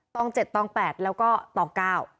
ต่อง๗ต่อง๘แล้วก็ต่อง๙